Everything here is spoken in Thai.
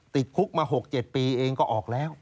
ติดคุกมา๖๗ปีเองก็ออกแล้ว